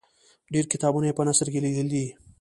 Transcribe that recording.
ډېر کتابونه یې په نثر کې لیکلي دي.